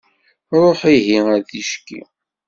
Ruḥ ihi ar-ticki.